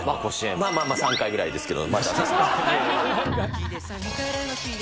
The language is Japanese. まあまあまあ３回ぐらいですけど。